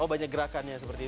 oh banyak gerakannya seperti itu